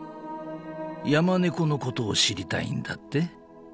［ヤマネコのことを知りたいんだって？］